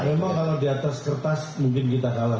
memang kalau di atas kertas mungkin kita kalah